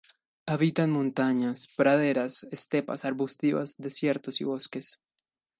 Habita en montañas, praderas, estepas arbustivas, desiertos y bosques.